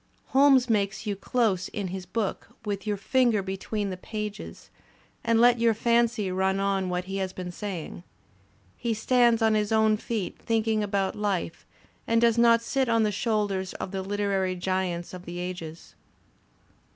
Holmes makes you dose his book, with your finger between the pages, and let your fancy run on what he has been saying. He stands on his own feet thinking about life and does not sit on the shoulders of the literary giants of the ages.